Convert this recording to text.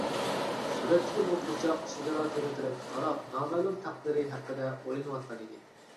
سۈرەتتىكى بۇ قىزچاق چېگرا تېمى تەرەپكە قاراپ، نامەلۇم تەقدىرى ھەققىدە ئويلىنىۋاتقان ئىدى.